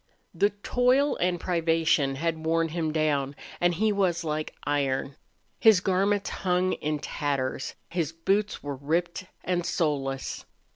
The toil and privation had worn him down and he was like iron. His garments hung in tatters; his boots were ripped and soleless.